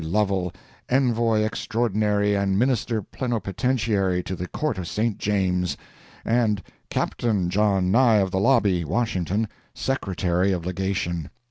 Lovel Envoy Extraordinary and Minister Plenipotentiary to the Court of St. James's, and "Captain" John Nye, of the lobby, Washington, Secretary of Legation.